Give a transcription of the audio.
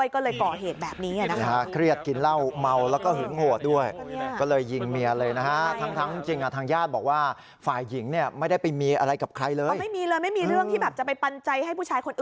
เครียดด้วยเมาด้วยก็เลยเหตุแบบนี้